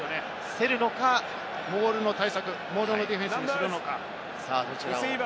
競るのか、モールのディフェンスにするのか？